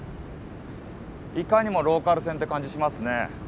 いかにもローカル線って感じしますね。